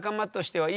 はい。